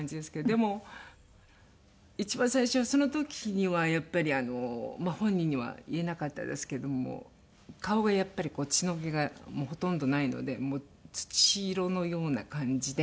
でも一番最初その時にはやっぱり本人には言えなかったですけども顔がやっぱり血の気がほとんどないのでもう土色のような感じで。